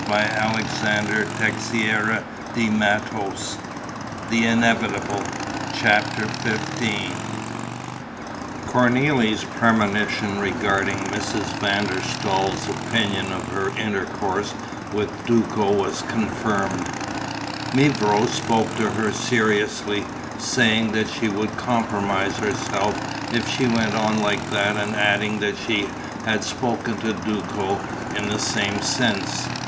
But she must warn Urania.... And she wearily fell asleep. CHAPTER XV Cornélie's premonition regarding Mrs. van der Staal's opinion of her intercourse with Duco was confirmed: mevrouw spoke to her seriously, saying that she would compromise herself if she went on like that and adding that she had spoken to Duco in the same sense.